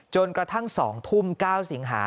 จนกระทั่ง๒ทุ่ม๙สิงหา